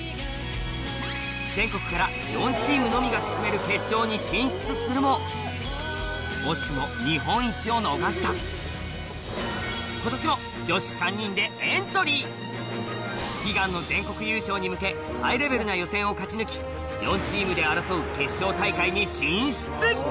全国から４チームのみが進める決勝に進出するも惜しくも今年も女子３人でエントリーに向けハイレベルな予選を勝ち抜き４チームで争う決勝大会に進出